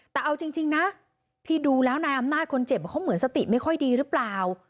แต่เอาจริงนะพี่ดูแล้วนายอำนาจคนเจ็บเขาเหมือนสติไม่ค่อยดีหรือเปล่า